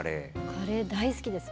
カレー大好きです。